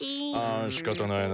あしかたないな。